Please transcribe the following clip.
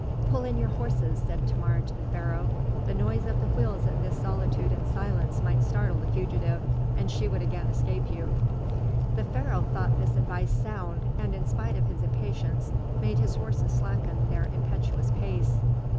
"Pull in your horses," said Thamar to the Pharaoh; "the noise of the wheels in this solitude and silence might startle the fugitive, and she would again escape you." The Pharaoh thought this advice sound, and in spite of his impatience made his horses slacken their impetuous pace.